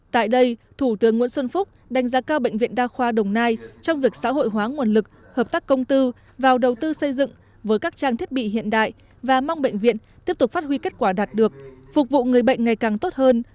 tại đây thủ tướng nguyễn xuân phúc đánh giá cao bệnh viện đa khoa đồng nai trong việc xã hội hóa nguồn lực hợp tác công tư vào đầu tư xây dựng với các trang thiết bị hiện đại và mong bệnh viện tiếp tục phát huy kết quả đạt được phục vụ người bệnh ngày càng tốt hơn